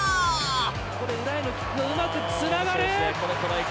ここで裏へのキックうまくつながる！